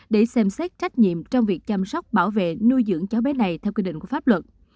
để xem xét trách nhiệm trong việc chăm sóc bảo vệ nuôi dưỡng cháu bé này theo quy định của pháp luật